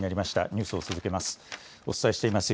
ニュースを続けます。